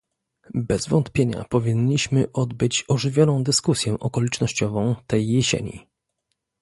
Bez wątpienia powinniśmy odbyć ożywioną dyskusję okolicznościową tej jesieni